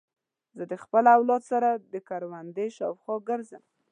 زه د خپل اولاد سره د کوروندې شاوخوا ګرځم.